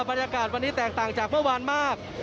บรรยากาศวันนี้แตกต่างจากเมื่อวานมาก